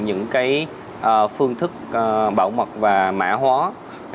những cái phương thức bảo mật và mã hóa